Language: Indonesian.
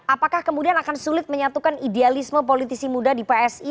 apakah kemudian akan sulit menyatukan idealisme politisi muda di psi